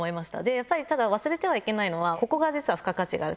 やっぱりただ忘れてはいけないのはここが実は付加価値がある。